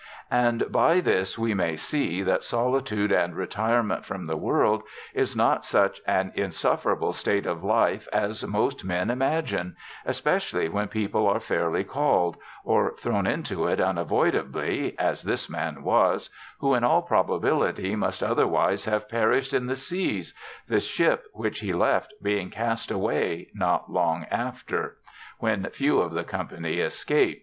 And by this we may see, that soli tude and retirement from the world, is not such an unsufFerable state of life as most men imagine, especially when people are fairly call'd, or thrown into it unavoidably, as this man was, who in all probability must otherwise have perished in the seas, the ship which he left being cast away not long after, when few of the company escaped.